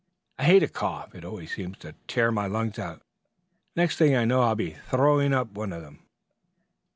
"I hate a cough; it always seems to tear my lungs out. Next thing I know I'll be throwing one of 'em up."